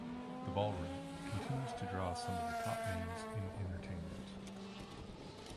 The Ballroom continues to draw some of the top names in entertainment.